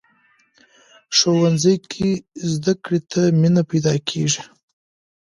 ښوونځی کې زده کړې ته مینه پیدا کېږي